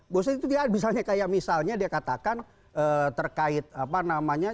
maksudnya itu tidak ada misalnya dia katakan terkait apa namanya